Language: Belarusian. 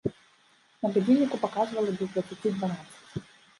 На гадзінніку паказвала без дваццаці дванаццаць.